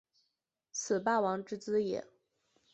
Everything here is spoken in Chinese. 此霸王之资也。